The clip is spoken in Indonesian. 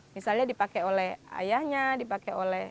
misalnya dipakai oleh ayahnya dipakai oleh